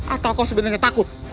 atau kau sebenarnya takut